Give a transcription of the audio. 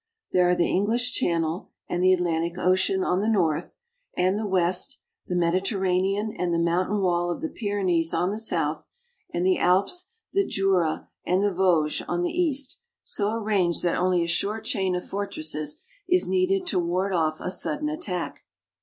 There are the English Channel and the Atlantic Ocean on the north and the west, the Mediterranean and the mountain wall of the Pyrenees on the south, and the Alps, the Jura, and the Vosges on the east, so arranged that only a short chain of fortresses is needed to ward off a sudden attack.